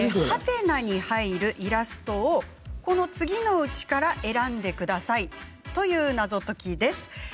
「？」に入るイラストを次のうちから選んでくださいという謎解きです。